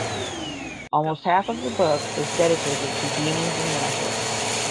Almost half of the book is dedicated to demons and magic.